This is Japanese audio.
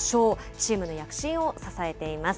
チームの躍進を支えています。